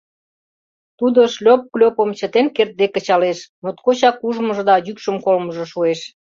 Тудо Шлёп-клёпым чытен кертде кычалеш, моткочак ужмыжо да йӱкшым колмыжо шуэш.